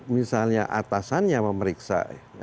misalnya atasannya memeriksa